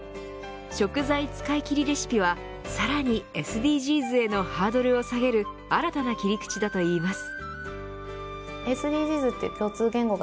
食材使い切りレシピはさらにＳＤＧｓへのハードルを下げる新たな切り口だといいます。